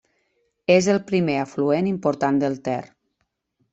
És el primer afluent important del Ter.